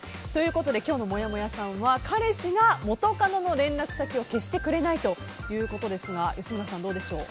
今日のもやもやさんは彼氏が元カノの連絡先を消してくれないということですが吉村さん、どうでしょう。